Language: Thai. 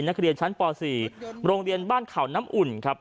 นักเรียนชั้นป๔โรงเรียนบ้านเขาน้ำอุ่นครับ